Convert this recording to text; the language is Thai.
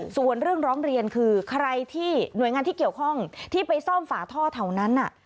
ส่วนเรื่องร้องเรียนคือใครที่หน่วยงานที่เกี่ยวข้องที่ไปซ่อมฝาท่อแถวนั้น